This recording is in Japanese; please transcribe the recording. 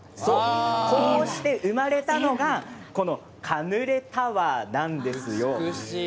こうして生まれたのがカヌレタワーなんですよ。